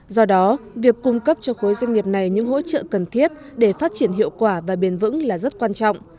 do đó việc cung cấp cho khối doanh nghiệp này những hỗ trợ cần thiết để phát triển hiệu quả và bền vững là rất quan trọng